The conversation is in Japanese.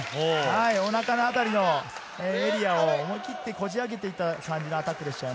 おなかの辺りのエリアを思い切って、こじ開けていった感じのアタックでした。